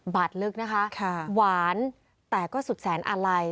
บาทลึกนะคะหวานแต่ก็สุดแสนอาลัย